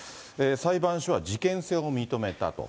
裁判所は事件性を認めたと。